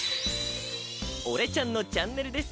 俺ちゃんのチャンネルです！